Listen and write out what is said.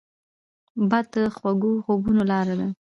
باد د خوږو خوبونو لاره ده